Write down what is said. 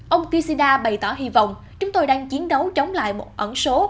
ông kishida bày tỏ hy vọng chúng tôi đang chiến đấu chống lại một ẩn số